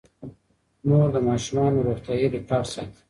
مور د ماشومانو روغتیايي ریکارډ ساتي.